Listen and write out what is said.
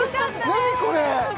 何これ？